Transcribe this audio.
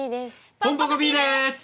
ポンポコピーです！